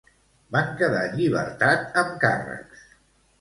Van quedar en llibertat amb càrrecs.